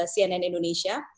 ada data dari cnn indonesia